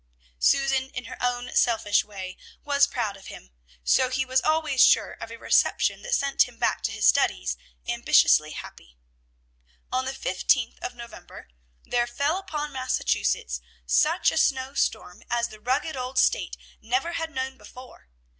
Susan, in her own selfish way, was proud of him, so he was always sure of a reception that sent him back to his studies ambitiously happy. On the fifteenth of November there fell upon Massachusetts such a snowstorm as the rugged old State never had known before.